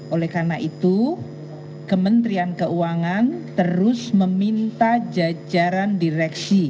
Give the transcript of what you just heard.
oleh karena itu kementerian keuangan terus meminta jajaran direksi